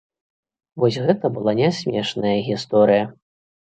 Вось гэта была нясмешная гісторыя!